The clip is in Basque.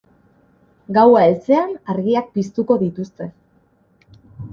Gaua heltzean argiak piztuko dituzte.